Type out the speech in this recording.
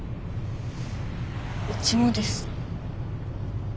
うちもです。